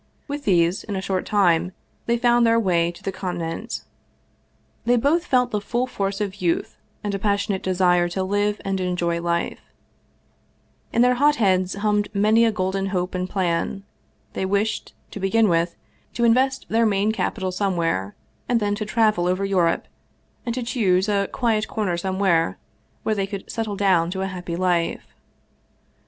With these, in a short time, they found their way to the Conti nent. They both felt the full force of youth and a passion ate desire to live and enjoy life ; in their hot heads hummed many a golden hope and plan ; they wished, to begin with, to invest their main capital somewhere, and then to travel over Europe, and to choose a quiet corner somewhere where they could settle down to a happy life.